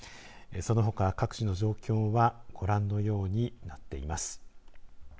そのほか、各地の状況はご覧のようになっています。